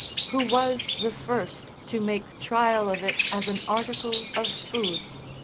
Who was the first to make trial of it as an article of food